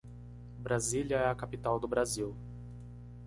Brasília é a capital do Brasil.